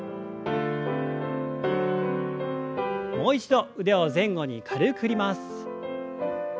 もう一度腕を前後に軽く振ります。